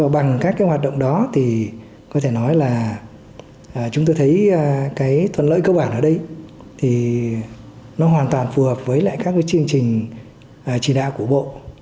bằng các hoạt động đó chúng tôi thấy tuần lợi cơ bản ở đây hoàn toàn phù hợp với các chương trình chỉ đạo của bộ